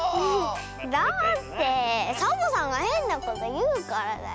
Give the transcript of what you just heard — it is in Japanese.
だってサボさんがへんなこというからだよ。